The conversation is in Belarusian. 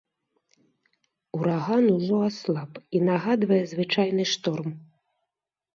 Ураган ужо аслаб і нагадвае звычайны шторм.